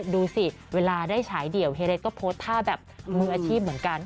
ดูสิเวลาได้ฉายเดี่ยวเฮเรสก็โพสต์ท่าแบบมืออาชีพเหมือนกัน